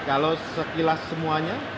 kalau sekilas semuanya